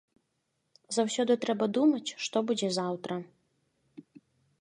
Заўсёды трэба думаць, што будзе заўтра.